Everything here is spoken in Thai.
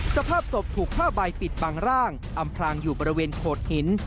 สภาพศพถูกผ้าใบปิดบางร่างอำพลางอยู่บริเวณโขดหิน